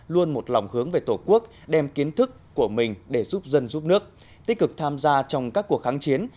luôn một lòng hướng về tổ quốc đem kiến thức của mình để giúp dân giúp nước tích cực tham gia trong các cuộc kháng chiến